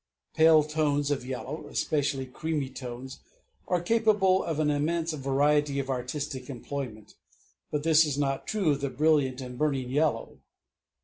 Pale tones of yellow, especially creamy tones, are capable of an immense variety of artistic employment; but this is not true of the brilliant and burning yellow.